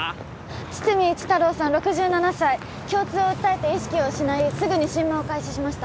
堤一太郎さん６７歳胸痛を訴えて意識を失いすぐに心マを開始しました